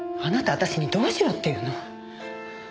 私にどうしろっていうの？